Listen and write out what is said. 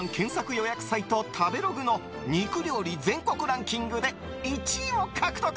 予約サイト食べログの肉料理全国ランキングで１位を獲得。